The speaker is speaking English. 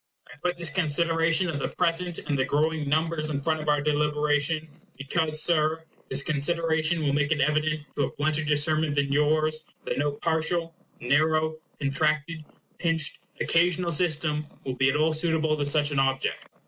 I put this consideration of the present and the growing numbers in the front of our deliberation, because, Sir, this consideration will make it evident to a blunter discernment than yours, that no partial, narrow, contracted, pinched, occasional system will be at all suitable to such an object.